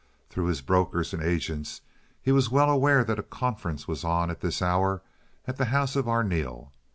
Through his brokers and agents he was well aware that a conference was on at this hour at the house of Arneel.